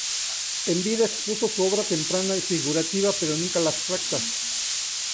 En vida, expuso su obra temprana y figurativa, pero nunca la abstracta.